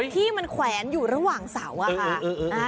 ที่มันแขวนอยู่ระหว่างเสาอะค่ะ